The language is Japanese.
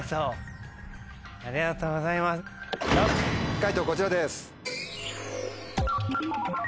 解答こちらです。